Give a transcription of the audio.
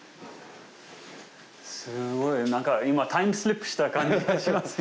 すごい。何か今タイムスリップした感じがしますね。